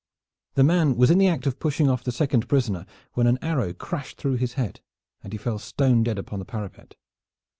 The man was in the act of pushing off the second prisoner when an arrow crashed through his head, and he fell stone dead upon the parapet.